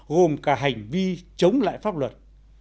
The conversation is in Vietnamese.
gồm cả hành vi chống lại pháp luật